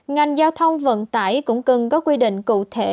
ngành giao thông vận tải cũng cần có quy định cụ thể